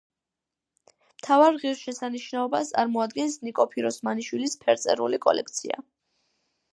მთავარ ღირსშესანიშნაობას წარმოადგენს ნიკო ფიროსმანაშვილის ფერწერული კოლექცია.